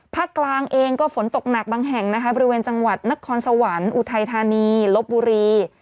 กลางเองก็ฝนตกหนักบางแห่งนะคะบริเวณจังหวัดนครสวรรค์อุทัยธานีลบบุรี